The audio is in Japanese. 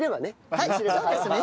はいそうですね。